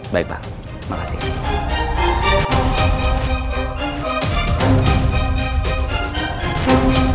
baik pak makasih